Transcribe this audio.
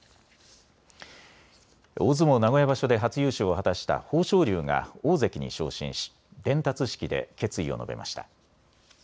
大相撲名古屋場所で初優勝を果たした豊昇龍が大関に昇進し伝達式で決意を述べました。